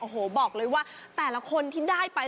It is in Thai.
โอ้โหบอกเลยว่าแต่ละคนที่ได้ไป